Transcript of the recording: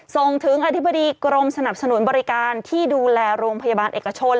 ส่งถึงอธิบดีกรมสนับสนุนบริการที่ดูแลโรงพยาบาลเอกชน